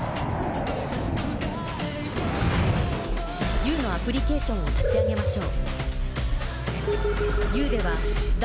Ｕのアプリケーションを立ち上げましょう。